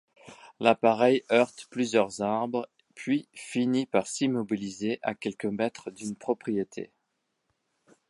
L'appareil heurte plusieurs arbres, puis finit par s'immobiliser à quelques mètres d'une propriété.